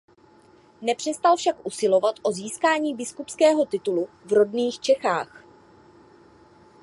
Nepřestal však usilovat o získání biskupského titulu v rodných Čechách.